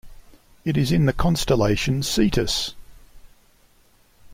It is in the constellation Cetus.